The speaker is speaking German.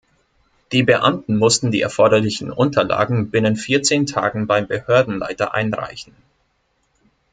Die Beamten mussten die erforderlichen Unterlagen binnen vierzehn Tagen beim Behördenleiter einreichen.